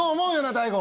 大悟。